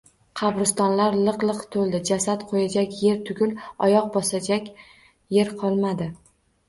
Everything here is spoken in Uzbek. Qabristonlar liq-liq to‘ldi. Jasad qo‘yajak yer tugul, oyoq bosajak yer qolmadi.